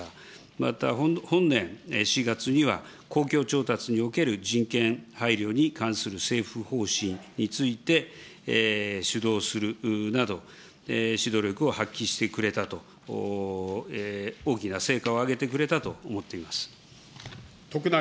また本年４月には、公共調達における人権配慮に関する政府方針について主導するなど、指導力を発揮してくれたと、大きな成果をあげてくれたと思っています。